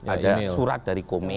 ada surat dari kome